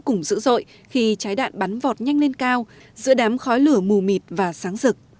mặt đất dung chuyển một cách vô cùng dữ dội khi trái đạn bắn vọt nhanh lên cao giữa đám khói lửa mù mịt và sáng rực